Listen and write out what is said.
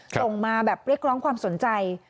ส่งมาแบบเรียกร้องความสนใจ